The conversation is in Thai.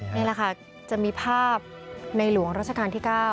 นี่แหละค่ะจะมีภาพในหลวงราชการที่๙